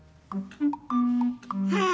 はあ！